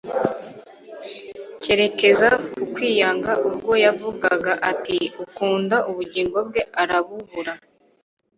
cyerekeza ku kwiyanga ubwo yavugaga ati : "Ukunda ubugingo bwe arabubura,